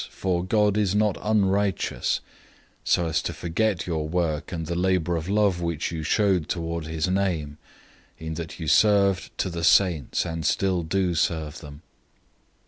006:010 For God is not unrighteous, so as to forget your work and the labor of love which you showed toward his name, in that you served the saints, and still do serve them.